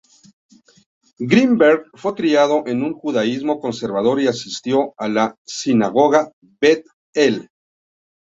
Greenberg fue criado en un judaísmo conservador y asistió a la sinagoga Beth El.